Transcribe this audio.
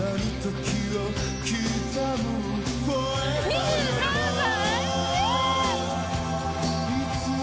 ２３歳！？